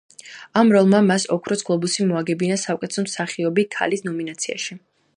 ამ როლმა მას ოქროს გლობუსი მოაგებინა საუკეთესო მსახიობი ქალის ნომინაციაში.